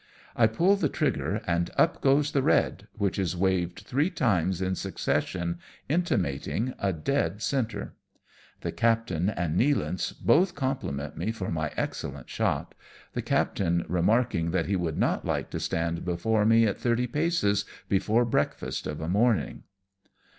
I pull the trigger and up goes the red, which is waved three times in succession, intimating a dead centre. The captain and Nealance both compliment me for my excellent shot. 12 AMONG TYPHOONS AND PIRATE CRAFT. the captain remarking that he would not like to stand before me at thirty paces before breakfast of a morning.